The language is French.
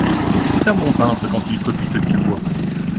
C'est un bon peintre quand il copie ce qu'il voit.